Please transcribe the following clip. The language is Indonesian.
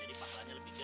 jadi pahalanya lebih gede